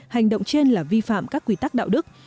hành động trên là vi phạm các quy tắc đạo đức